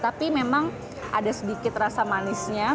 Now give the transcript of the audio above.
tapi memang ada sedikit rasa manisnya